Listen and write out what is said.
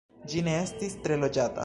Ĝi ne estis tre loĝata.